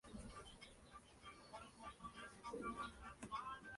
El nudo de la defensa enemiga estaba en el centro del pueblo.